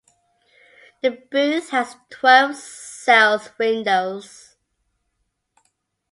The booth has twelve sales windows.